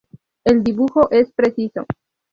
El dibujo es preciso.